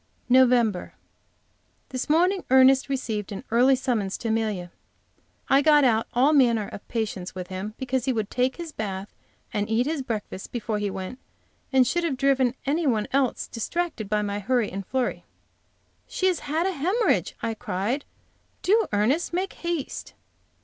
NOVEMBER. THIS morning Ernest received an early summons to Amelia. I got out of all manner of patience with him because he would take his bath and eat his breakfast before he went, and should have driven any one else distracted by my hurry and flurry. "She has had a hemorrhage!" I cried. "Do, Ernest, make haste."